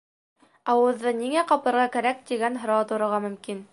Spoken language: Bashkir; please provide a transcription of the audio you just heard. Ауыҙҙы ниңә ҡапларға кәрәк, тигән һорау тыуырға мөмкин.